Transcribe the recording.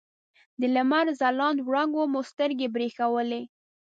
د لمر ځلانده وړانګو مو سترګې برېښولې.